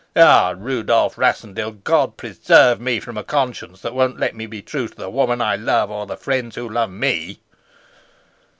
Ah, Rudolf Rassendyll, God preserve me from a conscience that won't let me be true to the woman I love, or to the friends who love me!"